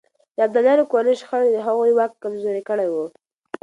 د ابدالیانو کورنۍ شخړې د هغوی واک کمزوری کړی و.